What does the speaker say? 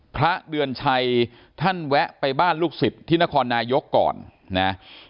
พระเดือนชัยท่านแวะไปบ้านลูกศิษย์ที่นครนายกก่อนนะ